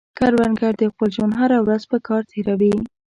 کروندګر د خپل ژوند هره ورځ په کار تېروي